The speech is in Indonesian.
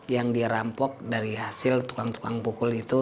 yang dirampok dari hasil tukang tukang pukul itu